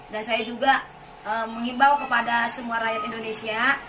dan saya juga mengimbau kepada semua rakyat indonesia